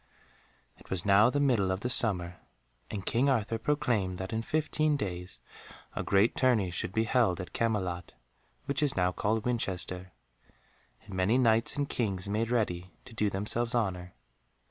It was now the middle of the summer, and King Arthur proclaimed that in fifteen days a great tourney should be held at Camelot, which is now called Winchester, and many Knights and Kings made ready to do themselves honour.